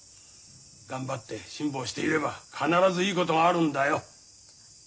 頑張って辛抱していれば必ずいいことがあるんだよ。